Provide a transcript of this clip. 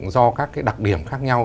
do các cái đặc điểm khác nhau